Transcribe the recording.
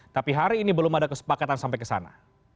tapi hari ini belum ada kesepakatan sampai ke sana